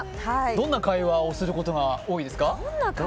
どんな会話をすることが多いですか？